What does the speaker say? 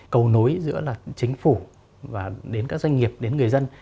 cầu nối giữa là chính phủ và đến các doanh nghiệp đến người dân